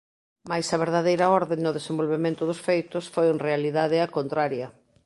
Mais a verdadeira orde no desenvolvemento dos feitos foi en realidade a contraria.